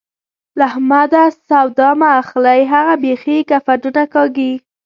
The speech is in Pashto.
له احمده سودا مه اخلئ؛ هغه بېخي کفنونه کاږي.